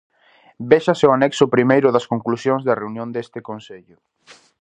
Véxase o anexo primeiro das conclusións da reunión deste Consello.